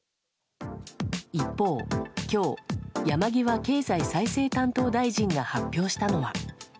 一方、きょう、山際経済再生担当大臣が発表したのは。